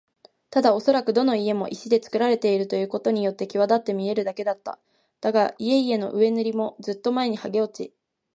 ただおそらくどの家も石でつくられているということによってきわだって見えるだけだった。だが、家々の上塗りもずっと前にはげ落ち、